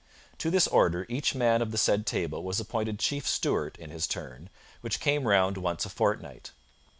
To this Order each man of the said table was appointed Chief Steward in his turn, which came round once a fortnight.